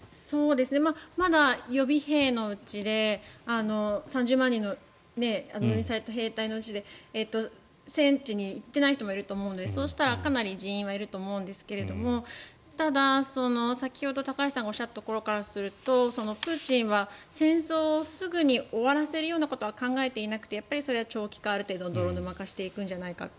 まだ予備兵のうちで３０万人の動員された兵隊のうち戦地に行っていない人もいると思うのでそうしたらかなり人員はいると思うんですがただ、先ほど高橋さんがおっしゃったところからするとプーチンは戦争をすぐに終わらせるようなことは考えていなくてやっぱりそれは長期化ある程度、泥沼化していくんじゃないかって。